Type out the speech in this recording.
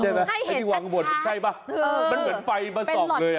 ให้เห็นชัดใช่ปะมันเหมือนไฟมาส่องเลย